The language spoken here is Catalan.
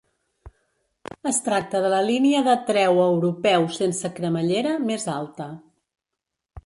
Es tracta de la línia de treu europeu sense cremallera més alta.